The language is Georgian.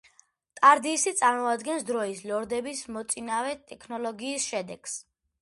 ტარდისი წარმოადგენს დროის ლორდების მოწინავე ტექნოლოგიის შედეგს.